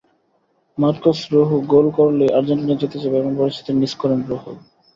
Marcos Rojo goal করলেই Argentina জিতে যাবে এমন পরিস্থিতিতে মিস করেন রোহোও।